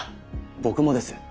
僕もです。